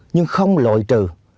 nhưng không lội trừ